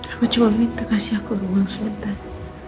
aku cuma minta kasih aku ruang sebentar